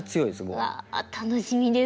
うわ楽しみですね。